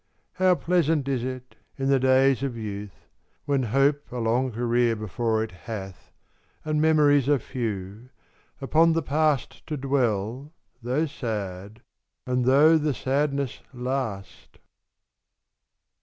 How pleasant is it, in the days of youth, When hope a long career before it hath, And memories are few, upon the past To dwell, though sad, and though the sadness last!